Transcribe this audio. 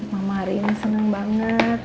mama rin seneng banget